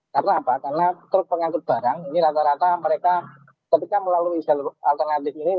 karena apa karena truk pengangkut barang ini rata rata mereka ketika melalui jalur alternatif ini